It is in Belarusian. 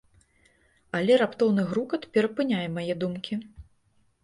Але раптоўны грукат перапыняе мае думкі.